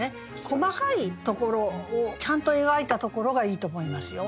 細かいところをちゃんと描いたところがいいと思いますよ。